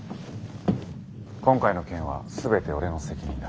今回の件は全て俺の責任だ。